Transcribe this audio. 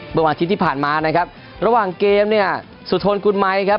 เบื้องอาทิตย์ที่ผ่านมานะครับระหว่างเกมเนี่ยสุทนคุณไม้ครับ